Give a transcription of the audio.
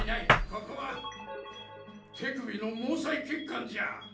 ここは手首の毛細血管じゃ。